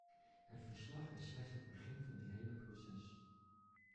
Het verslag is slechts het begin van dit hele proces.